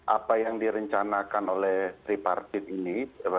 apa yang direncanakan oleh tiga partit ini